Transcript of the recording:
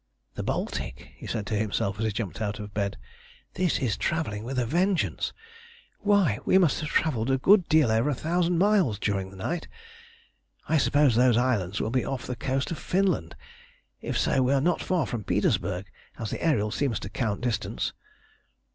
"The Baltic," he said to himself as he jumped out of bed. "This is travelling with a vengeance! Why, we must have travelled a good deal over a thousand miles during the night. I suppose those islands will be off the coast of Finland. If so, we are not far from Petersburg, as the Ariel seems to count distance."